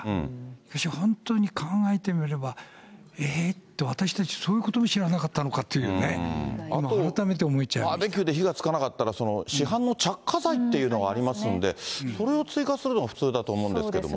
しかし、本当に考えてみれば、えーって、私たちそういうことも知らなかったのかってね、バーベキューで火がつかなかったら、市販の着火剤というのがありますんで、それを追加するのが普通だと思うんですけれどもね。